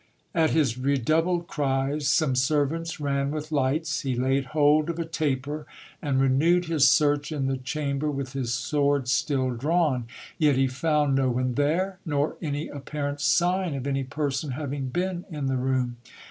At his redoubled cries, some servants ran with lights. He laid hold of a taper, and renewed his search in the chamber with his sword still drawn. Yet he found no one there, nor any apparent sign of any person having been in the room.